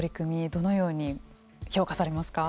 どのように評価されますか。